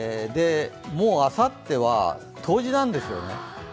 あさっては冬至なんですよね。